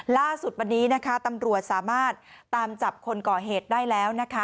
ล่าสุดวันนี้นะคะตำรวจสามารถตามจับคนก่อเหตุได้แล้วนะคะ